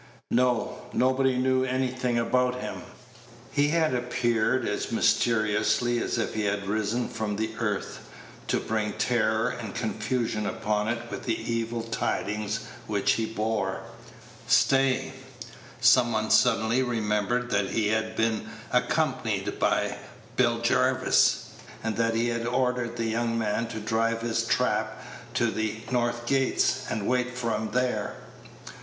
No; nobody knew anything about him. He had appeared as mysteriously as if he had risen from the earth, to bring terror and confusion upon it with the evil tidings which he bore. Stay! some one suddenly remembered that he had been accompanied by Bill Jarvis, the young man from the Reindeer, and that he had ordered the young man to drive his Page 130 trap to the north gates, and wait for him there.